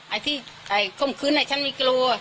ไอ้ที่คมคืนฉันไม่กลัว